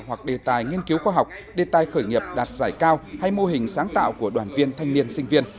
hoặc đề tài nghiên cứu khoa học đề tài khởi nghiệp đạt giải cao hay mô hình sáng tạo của đoàn viên thanh niên sinh viên